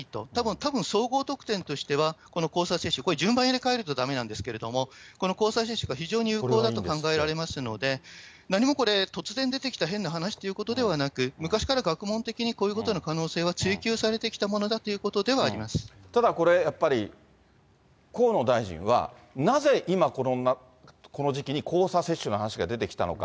たぶん総合得点としては、この交差接種、これ、順番入れ替えると、だめなんですけれども、この交差接種が非常に有効だと考えられますので、何もこれ、突然出てきた変な話ということではなく、昔から学問的にこういうことの可能性は追及されてきたものだといただこれ、やっぱり河野大臣は、なぜ今、この時期に交差接種の話が出てきたのか。